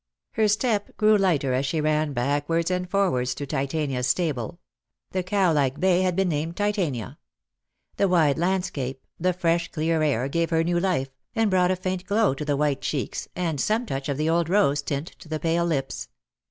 Her step grew lighter as she ran backwards and forwards to Titania's stable — the cow like bay had been named Titania; the wide landscape, the fresh clear air gave her new life, and brought a faint glow to the white cheeks, and some touch of the old rose tint to the pale lips.